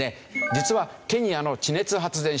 実はケニアの地熱発電所